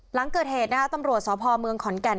หลังเกิดเหตุนะคะตำรวจสพเมืองขอนแก่น